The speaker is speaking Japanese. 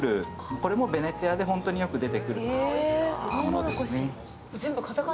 これもベネチアで本当によく出てくるものですね。